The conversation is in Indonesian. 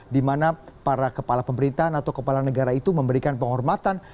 di mana para kepala pemerintahan atau kepala negara itu memberikan penghormatan